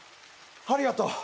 ありがとう。